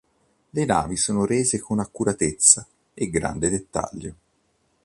Le navi sono rese con accuratezza e grande dettaglio.